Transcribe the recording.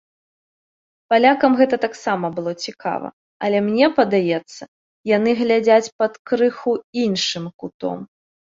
Палякам гэта таксама было цікава, але мне падаецца, яны глядзяць пад крыху іншым кутом.